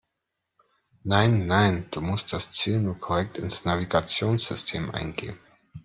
Nein, nein, du musst das Ziel nur korrekt ins Navigationssystem eingeben.